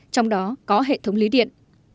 trong đó có hệ thống lưới điện